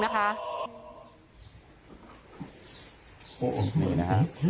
โหวเยอะนะ